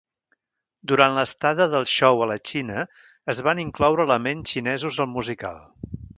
Durant l'estada del show a la Xina, es van incloure elements xinesos al musical.